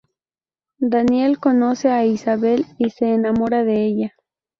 Daniel conoce a Isabel y se enamora de ella.